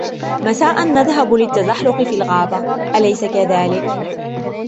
مساءًا نذهب للتزحلق في الغابة ، أليس كذلك ؟